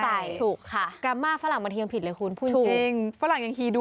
ไอ้ฮัมป์เบอร์เกอร์